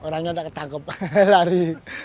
orangnya nggak ketangkap lari